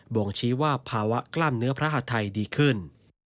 บ่งชี้ว่าภาวะกล้ามเนื้อพระหาทัยดีขึ้น